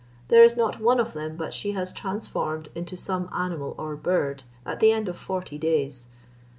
There is not one of them but she has transformed into some animal or bird at the end of forty days.